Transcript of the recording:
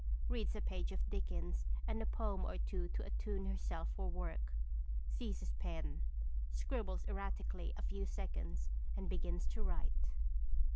Reads a page of Dickens and a poem or two to attune herself for work. Seizes pen, scribbles erratically a few seconds and begins to write.